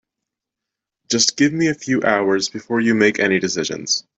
Just give me a few hours before you make any decisions.